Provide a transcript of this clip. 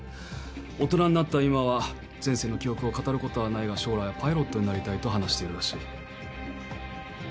大人になった今は前世の記憶を語ることはないが将来はパイロットになりたいと話しているらしい。